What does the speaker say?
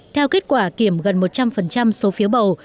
theo kết quả kiểm gần một trăm linh số phiếu bầu